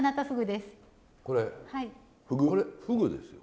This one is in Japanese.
これフグですよ。